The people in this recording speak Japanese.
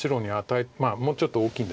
まあもうちょっと大きいんですけど。